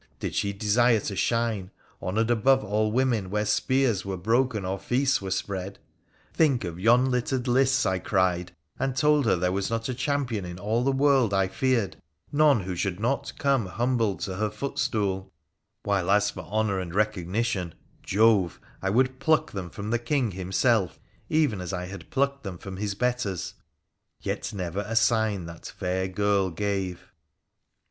Did she desire to shine, honoured above all women, where spears were broken or feasts were spread ? Think oi yon littered fists, I cried, and told her there was not a champion in all the world I feared — none who should not coma VmmV,ind PHRA THE PHCENICIAN 157 to her footstool ; while, as for honour and recognition — Jove ! I would pluck them from the King himself, even as I had plucked them from his betters. Yet never a sign that fair girl gave.